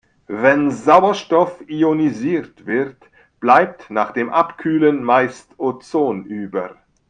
Wenn Sauerstoff ionisiert wird, bleibt nach dem Abkühlen meist Ozon über.